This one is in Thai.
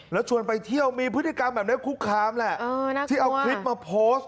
แล้วชวนไปเที่ยวมีพฤติกรรมแบบนี้คุกคามแหละที่เอาคลิปมาโพสต์